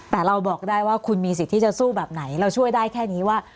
แต่เราบอกได้ว่าคุณมีสิทธิ์ที่จะสู้แบบไหนเราช่วยได้แค่นี้ว่า